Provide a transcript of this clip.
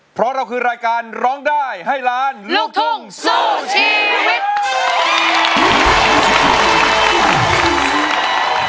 เพราะเราคือรายการร้องได้ให้ล้านลูกทุ่งสู้ชีวิต